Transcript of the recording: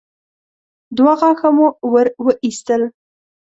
دوه غاښه مو ور وايستل.